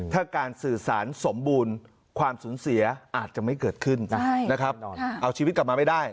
ถ้าการสื่อสารสมบูรณ์ความสูญเสียอาจจะไม่เกิดขึ้นนะครับเอาชีวิตกลับมาไม่ได้